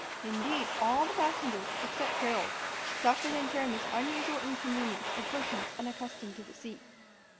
Indeed, all the passengers, except Harold, suffered in turn this usual inconvenience of persons unaccustomed to the sea.